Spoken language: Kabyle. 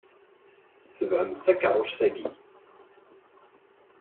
Tebɛemt takeṛṛust-ayi.